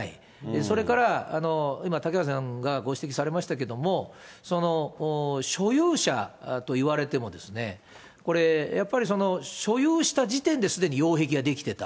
それから今、嵩原さんがご指摘されましたけども、所有者といわれてもですね、やっぱり所有した時点ですでに擁壁が出来てた。